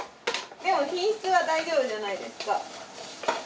でも品質は大丈夫じゃないですか。